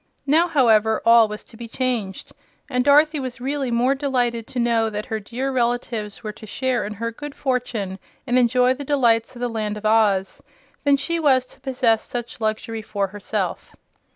Now, however, all was to be changed, and Dorothy was really more delighted to know that her dear relatives were to share in her good fortune and enjoy the delights of the Land of Oz, than she was to possess such luxury for herself.